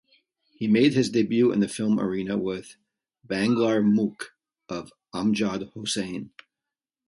He made his debut in the film arena with "Banglar Mukh" of Amjad Hossain.